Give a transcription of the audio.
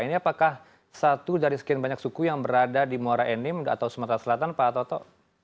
ini apakah satu dari sekian banyak suku yang berada di morenin atau sumatera selatan pak atau toto